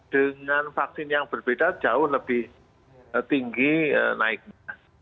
dengan vaksin yang berbeda jauh lebih tinggi naiknya